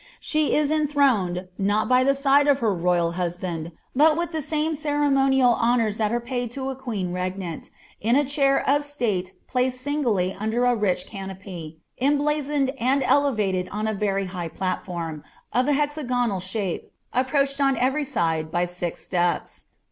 Slie is enthronnd, not by the side of her royal iiiid, but with the same ceremonial honours that are juiid lo a queen tut, in a chair of state placed singly under b rich cnnopy, em i iiicd, nnd elevated oii a Tery higlf plaU'orm, of an hexagonal shape, ' 'luched on every aide by six steps.